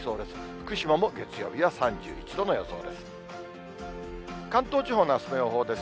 福島も月曜日は３１度の予想です。